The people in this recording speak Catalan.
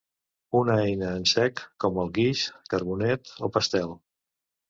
una eina en sec com el guix, carbonet o pastel